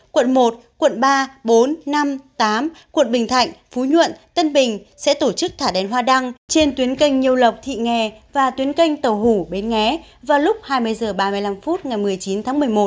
quận một quận ba bốn năm tám quận bình thạnh phú nhuận tân bình sẽ tổ chức thả đèn hoa đăng trên tuyến canh nhiêu lộc thị nghè và tuyến canh tàu hủ bến nghé vào lúc hai mươi h ba mươi năm phút ngày một mươi chín tháng một mươi một